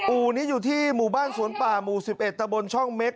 อู่นี้อยู่ที่หมู่บ้านสวนป่าหมู่๑๑ตะบนช่องเม็ก